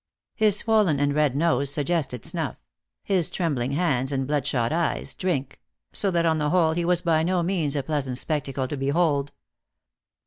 His swollen and red nose suggested snuff; his trembling hands and bloodshot eyes, drink; so that on the whole he was by no means a pleasant spectacle to behold.